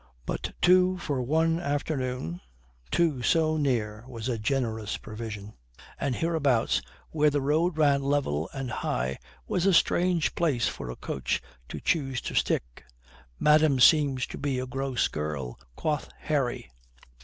But two for one afternoon, two so near was a generous provision. And hereabouts, where the road ran level and high, was a strange place for a coach to choose to stick. "Madame seems to be a gross girl," quoth Harry.